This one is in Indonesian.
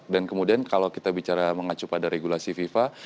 dan kemudian kalau kita bicara mengacu pada regulasi fifa